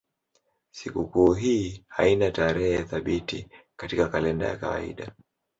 Sikukuu hii haina tarehe thabiti katika kalenda ya kawaida.